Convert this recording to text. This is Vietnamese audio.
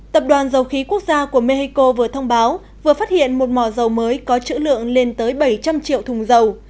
tập đoàn dầu khí quốc gia của mexico vừa thông báo vừa phát hiện một mỏ dầu mới có chữ lượng lên tới bảy trăm linh triệu thùng dầu